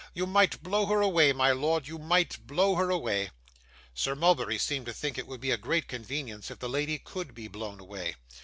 You might blow her away, my lord; you might blow her away.' Sir Mulberry seemed to think that it would be a great convenience if the lady could be blown away.